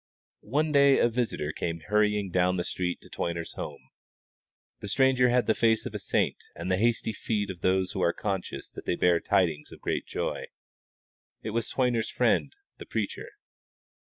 One day a visitor came hurrying down the street to Toyner's home. The stranger had the face of a saint, and the hasty feet of those who are conscious that they bear tidings of great joy. It was Toyner's friend, the preacher.